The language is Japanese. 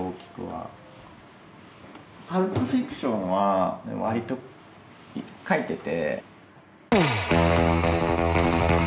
「パルプ・フィクション」はわりと描いてて。